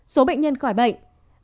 số bệnh nhân khỏi bệnh